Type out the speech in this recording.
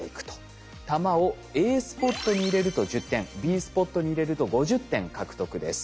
玉をＡスポットに入れると１０点Ｂスポットに入れると５０点獲得です。